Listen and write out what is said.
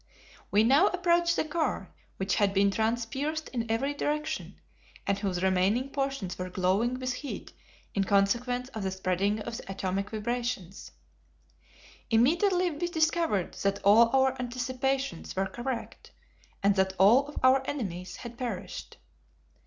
We now approached the car, which had been transpierced in every direction, and whose remaining portions were glowing with heat in consequence of the spreading of the atomic vibrations. Immediately we discovered that all our anticipations were correct and that all of our enemies had perished.